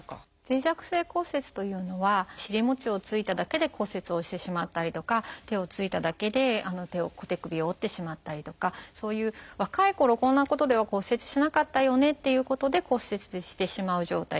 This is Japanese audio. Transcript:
脆弱性骨折というのは尻もちをついただけで骨折をしてしまったりとか手をついただけで手首を折ってしまったりとかそういう若いころこんなことでは骨折しなかったよねっていうことで骨折してしまう状態